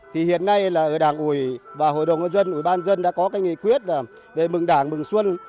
thì hiện nay là ở đảng ủi và hội đồng nhân dân ủi ban dân đã có cái nghị quyết về mừng đảng mừng xuân